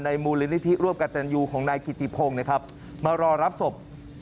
ในมูลนิธรวบกัดแต่งยูของนายกิติพงมารอรับศพ